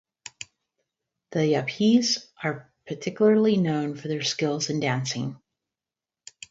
The Yapese are particularly known for their skills in dancing.